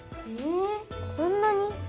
えこんなに？